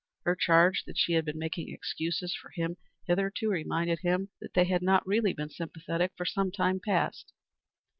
Her charge that she had been making excuses for him hitherto reminded him that they had not been really sympathetic for some time past.